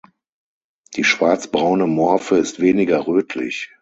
Die schwarzbraune Morphe ist weniger rötlich.